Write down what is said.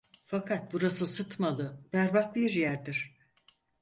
Fakat burası sıtmalı, berbat bir yerdir.